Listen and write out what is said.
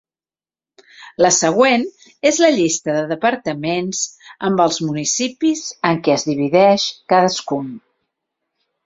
La següent és la llista de departaments amb els municipis en què es divideix cadascun.